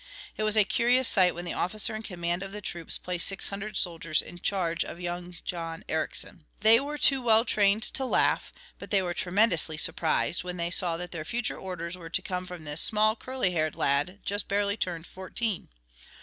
It was a curious sight when the officer in command of the troops placed six hundred soldiers in charge of young John Ericsson. They were too well trained to laugh, but they were tremendously surprised when they saw that their future orders were to come from this small, curly haired lad just barely turned fourteen.